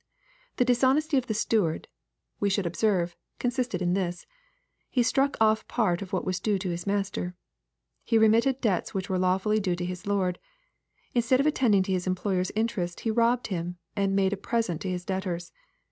'] The dishonesty of the steward, we shoiald observe, consisted in this :— He stnck off part of what was due to his master. He remitted debts which were lawfully due to hia lord. Instead of attending to his employer's interest, he robbed him, and made a present to his debtors.